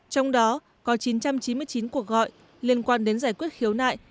trong đó có chín trăm chín mươi chín cuộc gọi liên quan đến giải quyết khiếu nại